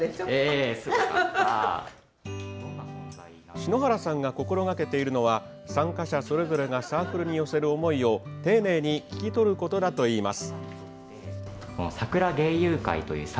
篠原さんが心がけているのは参加者それぞれがサークルに寄せる思いを丁寧に聞き取ることだといいます。